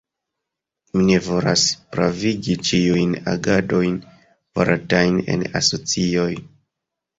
Mi ne volas pravigi ĉiujn agadojn faratajn en asocioj.